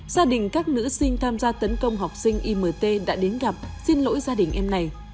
gia đình các nữ sinh tham gia tấn công học sinh imt đã đến gặp xin lỗi gia đình em này